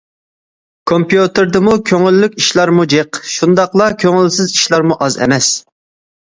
كومپيۇتېردىمۇ كۆڭۈللۈك ئىشلارمۇ جىق، شۇنداقلا كۆڭۈلسىز ئىشلارمۇ ئاز ئەمەس.